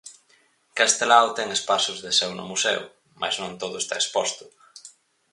Castelao ten espazos de seu no museo, mais non todo está exposto.